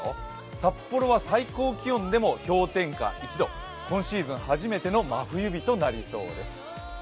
札幌は最高気温でも氷点下１度、今シーズン初めての真冬日となりそうです。